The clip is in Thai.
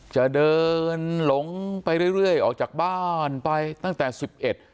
จะเดินหลงไปเรื่อยเรื่อยออกจากบ้านไปตั้งแต่สิบเอ็ด